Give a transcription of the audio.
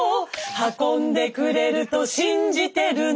「運んでくれると信じてるね」